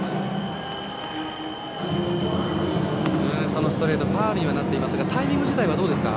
そのストレートファウルにはなっていますがタイミング自体はどうですか？